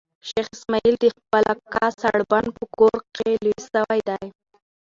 شېخ اسماعیل د خپل اکا سړبن په کور کښي لوی سوی دئ.